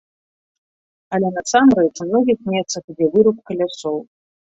Але насамрэч у многіх месцах ідзе вырубка лясоў.